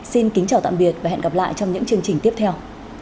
xin kính chào tạm biệt và hẹn gặp lại trong những chương trình tiếp theo